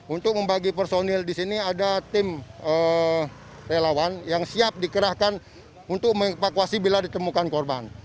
untuk membagi personil di sini ada tim relawan yang siap dikerahkan untuk mengevakuasi bila ditemukan korban